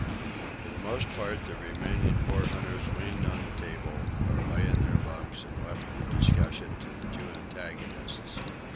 For the most part, the remaining four hunters leaned on the table or lay in their bunks and left the discussion to the two antagonists.